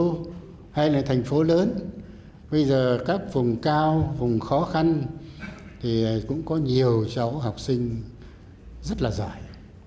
thành phố hay là thành phố lớn bây giờ các vùng cao vùng khó khăn thì cũng có nhiều cháu học sinh rất là giỏi